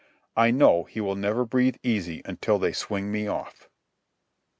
I know he will never breathe easy until they swing me off.